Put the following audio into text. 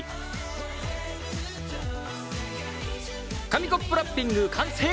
紙コップラッピング完成！